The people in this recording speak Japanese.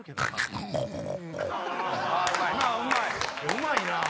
うまいなぁ。